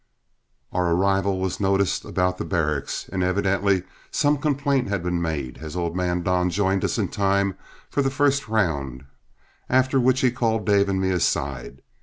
Our arrival was noticed about the barracks, and evidently some complaint had been made, as old man Don joined us in time for the first round, after which he called Dave and me aside.